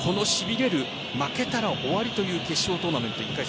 負けたら終わりという決勝トーナメント１回戦